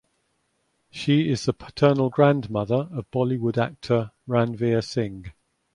She is the paternal grandmother of Bollywood actor Ranveer Singh.